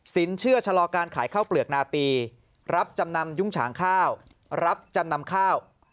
เชื่อชะลอการขายข้าวเปลือกนาปีรับจำนำยุ้งฉางข้าวรับจำนำข้าว